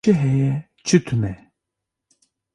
Çi heye çi tune?